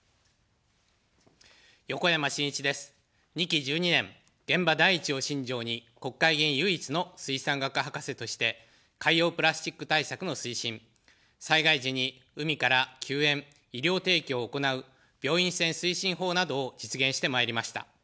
２期１２年、現場第一を信条に、国会議員唯一の水産学博士として、海洋プラスチック対策の推進、災害時に海から救援・医療提供を行う病院船推進法などを実現してまいりました。